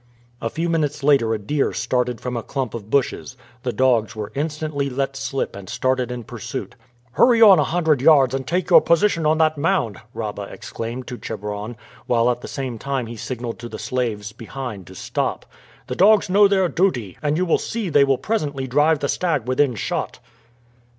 A few minutes later a deer started from a clump of bushes. The dogs were instantly let slip and started in pursuit. "Hurry on a hundred yards and take your position on that mound!" Rabah exclaimed to Chebron, while at the same time he signaled to the slaves behind to stop. "The dogs know their duty, and you will see they will presently drive the stag within shot."